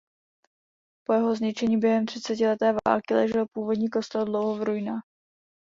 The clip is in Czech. Po jeho zničení během třicetileté války ležel původní kostel dlouho v ruinách.